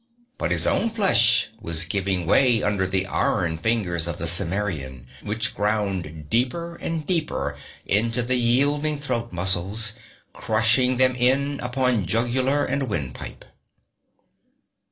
But his own flesh was giving way under the iron fingers of the Cimmerian which ground deeper and deeper into the yielding throat muscles, crushing them in upon jugular and windpipe.